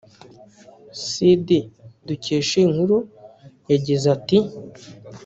cd dukesha iyi nkuru yagize ati